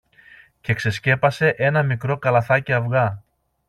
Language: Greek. και ξεσκέπασε ένα μικρό καλαθάκι αυγά.